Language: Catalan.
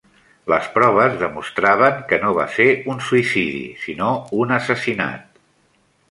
Les proves demostraven que no va ser un suïcidi sinó un assassinat.